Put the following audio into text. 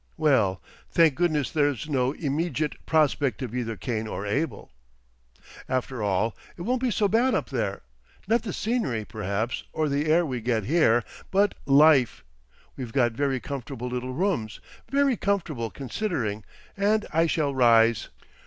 Well—thank goodness there's no imeedgit prospect of either Cain or Abel!" "After all, it won't be so bad up there. Not the scenery, perhaps, or the air we get here, but—Life! We've got very comfortable little rooms, very comfortable considering, and I shall rise.